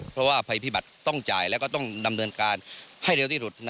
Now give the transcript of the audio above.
เพราะว่าภัยพิบัติต้องจ่ายแล้วก็ต้องดำเนินการให้เร็วที่สุด